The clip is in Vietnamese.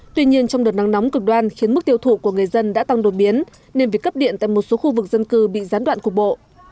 tuy nhiên trong đợt nắng nóng cực đoan khiến mức tiêu thụ của người dân đã tăng đột biến nên việc cấp điện tại một số khu vực dân cư bị gián đoạn cục bộ